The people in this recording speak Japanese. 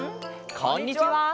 こんにちは！